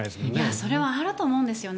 それはあると思うんですね。